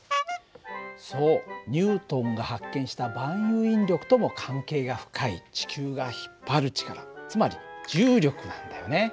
そうニュートンが発見した万有引力とも関係が深い地球が引っ張る力つまり重力なんだよね。